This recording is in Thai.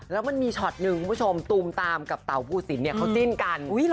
แล้วมันมีช็อตหนึ่งคุณผู้ชมตูมตามกับเต่าภูสินเนี่ยเขาจิ้นกัน